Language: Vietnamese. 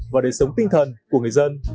và đời sống tinh thần của người dân